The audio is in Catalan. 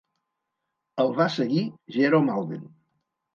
El va seguir Jerome Alden.